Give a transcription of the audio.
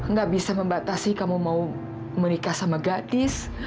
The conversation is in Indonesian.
nggak bisa membatasi kamu mau menikah sama gadis